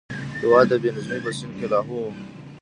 هېواد د بې نظمۍ په سین کې لاهو و.